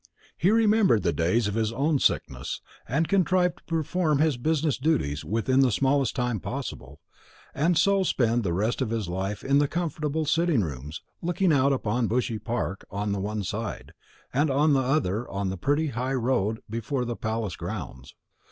He remembered the days of his own sickness, and contrived to perform his business duties within the smallest time possible, and so spend the rest of his life in the comfortable sitting rooms looking out upon Bushy park on the one side, and on the other upon the pretty high road before the Palace grounds.